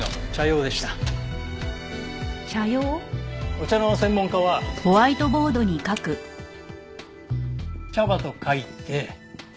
お茶の専門家は茶葉と書いて。